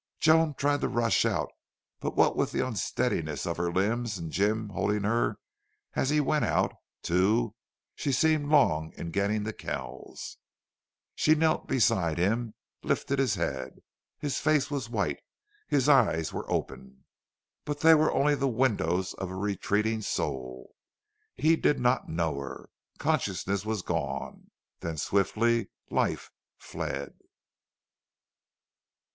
Joan tried to rush out, but what with the unsteadiness of her limbs and Jim holding her as he went out, too, she seemed long in getting to Kells. She knelt beside him, lifted his head. His face was white his eyes were open. But they were only the windows of a retreating soul. He did not know her. Consciousness was gone. Then swiftly life fled.